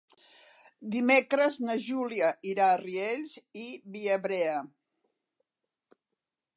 Dimecres na Júlia irà a Riells i Viabrea.